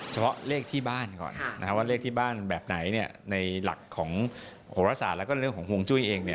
เฉพาะเลขที่บ้านก่อนว่าเลขที่บ้านแบบไหนในหลักของโหรศาสตร์แล้วก็เรื่องของฮวงจุ้ยเอง